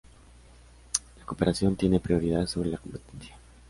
La cooperación tiene prioridad sobre la competencia.